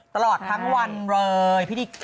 ตลอดทั้งวันเลยพิธี